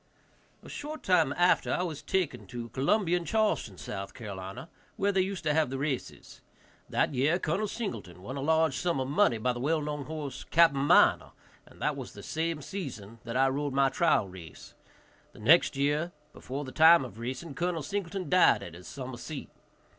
A short time after, I was taken to Columbia and Charleston, S.C., where they used to have the races. That year Col. Singleton won a large sum of money by the well known horse, Capt. Miner, and that was the same season that I rode my trial race. The next year, before the time of racing, Col. Singleton died at his summer seat.